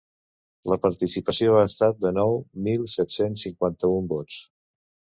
La participació ha estat de nou mil set-cents cinquanta-un vots.